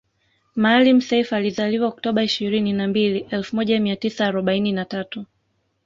Maalim Self alizaliwa oktoba ishirini na mbili elfu moja mia tisa arobaini na tatu